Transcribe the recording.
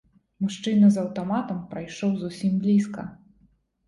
Мужчына з аўтаматам прайшоў зусім блізка.